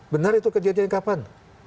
benar itu kejadian kapan